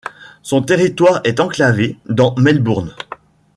Son territoire est enclavé dans Melbourne.